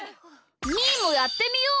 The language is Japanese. みーもやってみよう！